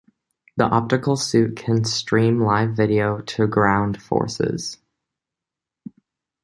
The optical suite can stream live video to ground forces.